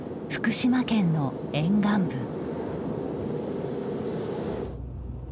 福島県の沿岸部。